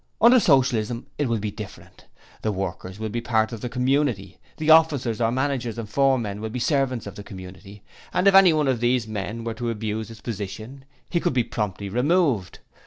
Under Socialism it will be different; the workers will be part of the community; the officers or managers and foremen will be the servants of the community, and if any one of these men were to abuse his position he could be promptly removed.